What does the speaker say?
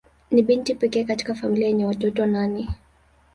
Ni binti pekee katika familia yenye watoto nane.